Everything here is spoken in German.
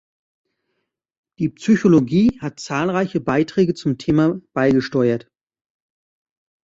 Die Psychologie hat zahlreiche Beiträge zum Thema beigesteuert.